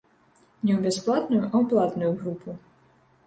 Не ў бясплатную, а ў платную групу.